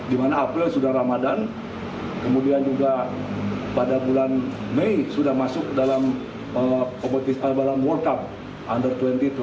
di mana april sudah ramadan kemudian juga pada bulan mei sudah masuk dalam kompetisi pariwaraan world cup under dua ribu dua puluh satu